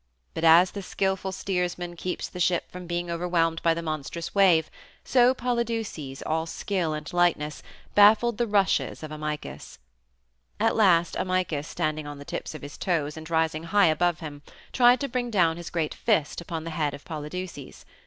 But as the skillful steersman keeps the ship from being overwhelmed by the monstrous wave, so Polydeuces, all skill and lightness, baffled the rushes of Amycus. At last Amycus, standing on the tips of his toes and rising high above him, tried to bring down his great fist upon the head of Polydeuces.